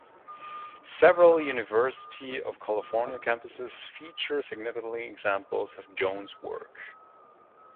Several University of California campuses feature significant examples of Jones' work.